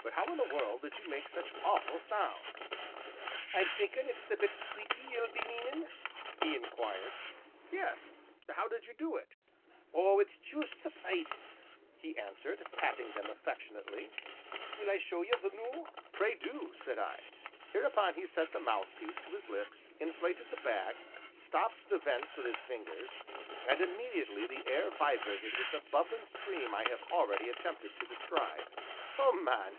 "But how in the world did you make such awful sounds?" "I'm thinkin' it's the bit squeakie ye'll be meanin'?" he inquired. "Yes; how did you do it?" "Oh, it's juist the pipes!" he answered, patting them affectionately, "will I show ye the noo?" "Pray do," said I. Hereupon he set the mouthpiece to his lips, inflated the bag, stopped the vents with his fingers, and immediately the air vibrated with the bubbling scream I have already attempted to describe. "Oh, man!"